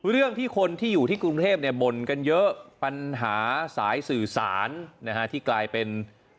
เรื่องที่คนที่อยู่ที่กรุงเทพบ่นกันเยอะปัญหาสายสื่อสารที่กลายเป็น